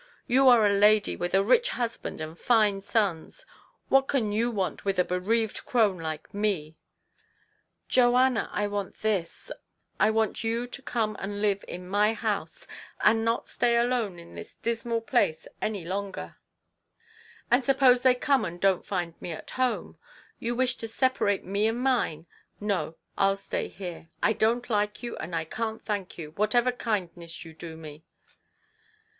" You are a lady, with a rich husband and fine sons. What can you want with a bereaved crone like me ?"" Joanna, I want this : I want you to come and live in my house, and not stay alone in this dismal place any longer." 142 TO PLEASE HIS WIFE. " And suppose they come arid don't find me at home ? You wish to separate me and mine ! No, I'll stay here. I don't like you, and I can't thank you, whatever kindness you do me."